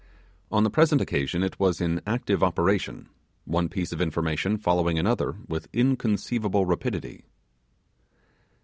On the present occasion it was in active operation; one piece of information following another with inconceivable rapidity.